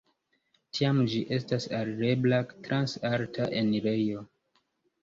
Tiam ĝi estas alirebla trans alta enirejo.